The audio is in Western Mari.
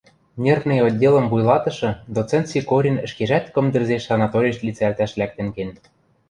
Нервный отделӹм вуйлатышы доцент Сикорин ӹшкежӓт кым тӹлзеш санаториш лицӓлтӓш лӓктӹн кен.